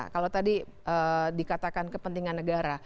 kalau tadi dikatakan kepentingan negara